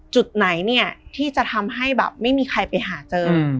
จุดไหนเนี่ยที่จะทำให้แบบไม่มีใครไปหาเจอ